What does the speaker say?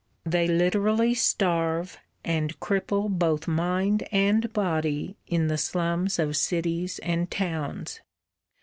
They literally starve and cripple both mind and body in the slums of cities and towns.